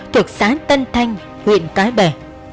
thuộc xã tân thanh huyện cái bè